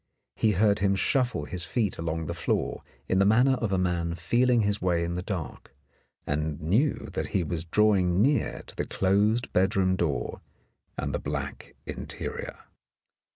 He heard him shuffle his feet along the floor in the manner of a man feeling his way in the dark, and knew that he was drawing near to the closed bedroom door and the black interior.